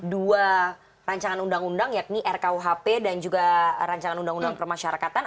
dua rancangan undang undang yakni rkuhp dan juga ruu permasyarakatan